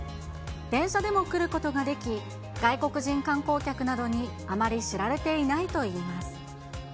電車でも来ることができ、外国人観光客などにあまり知られていないといいます。